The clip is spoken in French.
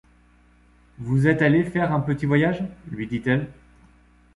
Vous êtes allé faire un petit voyage? lui dit-elle.